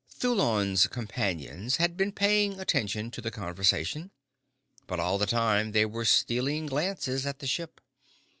Thulon's companions had been paying attention to the conversation. But all the time they were stealing glances at the ship.